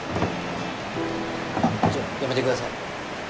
あっちょやめてください。